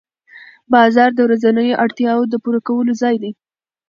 بازار د ورځنیو اړتیاوو د پوره کولو ځای دی